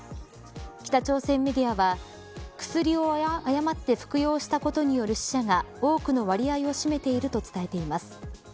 北朝鮮メディアは薬を誤って服用したことによる死者が多くの割合を占めていると伝えています。